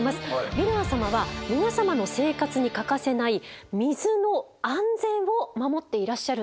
ヴィラン様は皆様の生活に欠かせない水の安全を守っていらっしゃるんです。